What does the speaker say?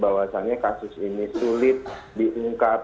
bahwasannya kasus ini sulit diungkap